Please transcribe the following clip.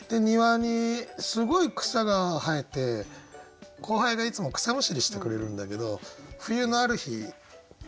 庭にすごい草が生えて後輩がいつも草むしりしてくれるんだけど冬のある日